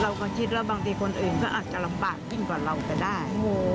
เราก็คิดว่าบางทีคนอื่นก็อาจจะลำบากยิ่งกว่าเราก็ได้